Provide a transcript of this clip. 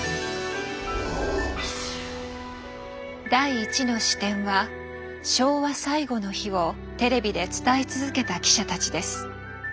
第１の視点は「昭和最後の日」をテレビで伝え続けた記者たちです。